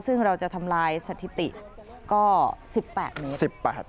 ซึ่งเราจะทำลายสถิติก็๑๘เมตร